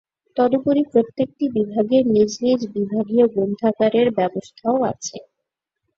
তদুপরি প্রত্যেকটি বিভাগের নিজ নিজ বিভাগীয় গ্রন্থাগারের ব্যবস্থাও আছে।